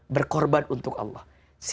berkorban untuk allah